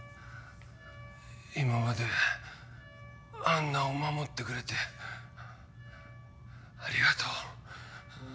今までアンナを守ってくれてありがとう。